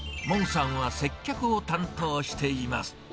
モンさんは接客を担当しています。